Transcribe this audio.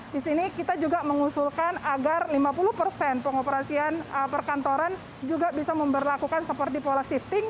di sini kita juga mengusulkan agar lima puluh persen pengoperasian perkantoran juga bisa memperlakukan seperti pola shifting